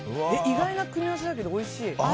意外な組み合わせだけどおいしい。